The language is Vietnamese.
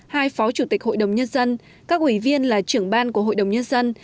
hai phó chủ tịch hội đồng nhân dân các ủy viên là trưởng ban của hội đồng nhân dân